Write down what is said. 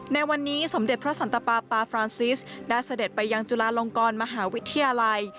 ในวันนี้สมเด็จพระสันตปาปาฟรานซิสได้เสด็จไปยังจุฬาลงกรมหาวิทยาลัย